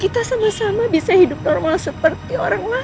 kita sama sama bisa hidup normal seperti orang lain